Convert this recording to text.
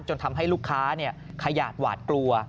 ทำให้ลูกค้าขยาดหวาดกลัว